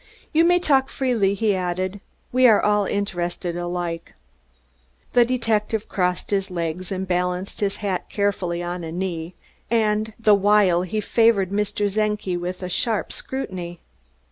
"You may talk freely," he added. "We are all interested alike." The detective crossed his legs and balanced his hat carefully on a knee, the while he favored Mr. Czenki with a sharp scrutiny.